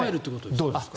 どうですか。